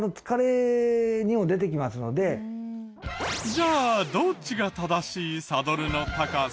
じゃあどっちが正しいサドルの高さ？